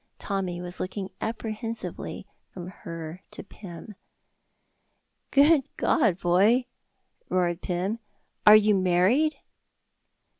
Tommy was looking apprehensively from her to Pym. "Good God, boy!" roared Pym, "are you married?"